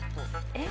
「えっ？